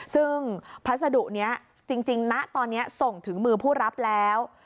ซึ่งพัสดุนี้จริงณตอนนี้ส่งถึงมือผู้รับแล้ว